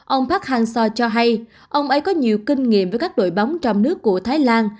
ông park hang seo cho hay ông ấy có nhiều kinh nghiệm với các đội bóng trong nước của thái lan